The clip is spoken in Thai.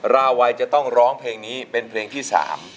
ราวัยจะต้องร้องเพลงนี้เป็นเพลงที่๓